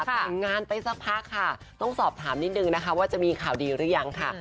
แต่งงานไปสักพักค่ะต้องสอบถามนิดนึงนะคะว่าจะมีข่าวดีหรือยังค่ะ